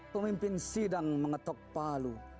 pemimpin sidang mengetok palu